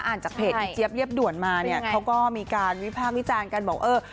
จากเพจอีเจี๊ยบเรียบด่วนมาเนี่ยเขาก็มีการวิพากษ์วิจารณ์กันบอกเออ